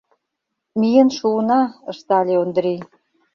— Миен шуына, — ыштале Ондрий.